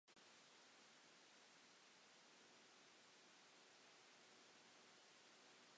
On i methu cysgu, oedd 'y mol i'n brifo.